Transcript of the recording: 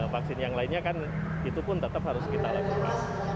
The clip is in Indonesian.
vaksin yang lainnya kan itu pun tetap harus kita lakukan